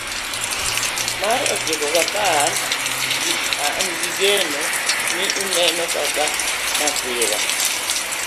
Mar ochiko gi apar an gi geno ni ineno kaka masira